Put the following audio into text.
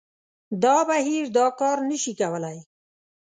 دا بهیر دا کار نه شي کولای